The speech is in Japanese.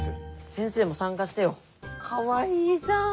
先生も参加してよ。かわいいじゃん！